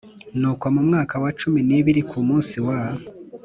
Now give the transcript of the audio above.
Nuko mu mwaka wa cumi n ibiri ku munsi wa